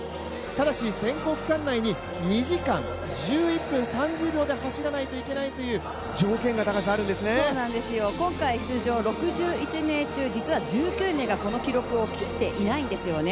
ただし選考期間内に２時間１１分３０秒で走らないといけないという今回出場の、６１名中１９名がこの記録を切っていないんですよね。